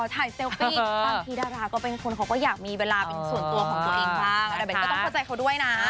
เดี๋ยวนี้ไปเที่ยวงานวัด